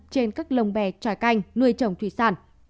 trên các lồng bè tròi canh nuôi trồng thủy sản